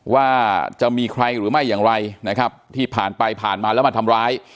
ว่าจะมีใครหรือไม่อย่างไรนะครับที่ผ่านไปผ่านมาแล้วมาทำร้าย